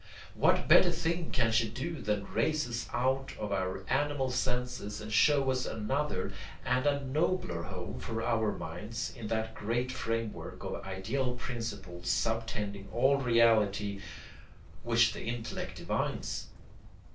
What better thing can she do than raise us out of our animal senses and show us another and a nobler home for our minds in that great framework of ideal principles subtending all reality, which the intellect divines?